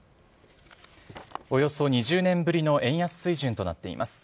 およそ２０年ぶりの円安水準となっています。